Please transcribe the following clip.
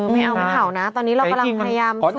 ไม่เอาไม่เผานะตอนนี้เรากำลังพยายามสู้กันอยู่